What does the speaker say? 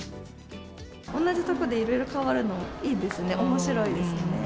同じところで、いろいろ変わるのいいですね、おもしろいですね。